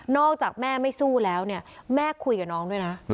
จากแม่ไม่สู้แล้วเนี่ยแม่คุยกับน้องด้วยนะ